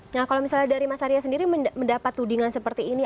nah kalau misalnya dari mas arya sendiri mendapat tudingan seperti ini